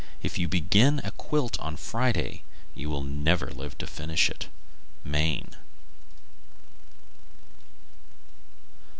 If you begin a quilt on Friday, you will never live to finish it. _Maine.